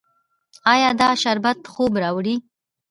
ایا دا شربت خوب راوړي؟